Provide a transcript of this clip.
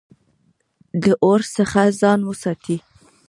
د اور څخه ځان وساتئ